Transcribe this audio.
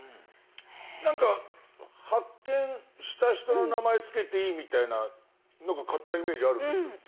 なんか発見した人の名前つけていいみたいななんか勝手なイメージあるんですけど。